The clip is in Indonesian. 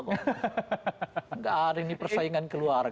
tidak ada ini persaingan keluarga